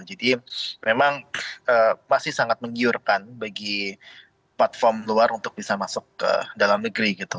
jadi memang masih sangat menggiurkan bagi platform luar untuk bisa masuk ke dalam negeri gitu